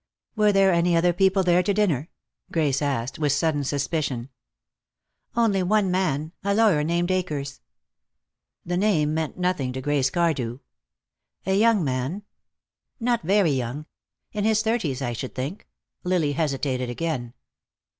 "Were there any other people there to dinner?" Grace asked, with sudden suspicion. "Only one man. A lawyer named Akers." The name meant nothing to Grace Cardew. "A young man?" "Not very young. In his thirties, I should think," Lily hesitated again.